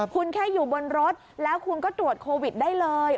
คุณแค่อยู่บนรถแล้วคุณก็ตรวจโควิดได้เลย